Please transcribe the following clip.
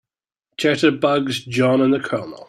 Jitterbugs JOHN and the COLONEL.